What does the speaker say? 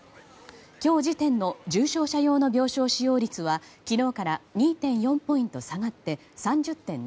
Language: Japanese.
今日時点の重症者用の病床使用率は昨日から２．４ポイント下がって３０．７％。